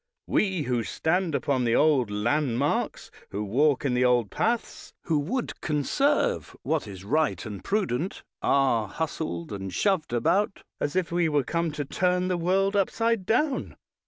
We, who stand upon the old landmarks, who walk in the old paths, who would conserve what is wise and prudent, are hustled and shoved about as if we were come to turn the world upside down.